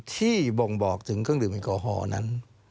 บ่งบอกถึงเครื่องดื่มแอลกอฮอล์นั้น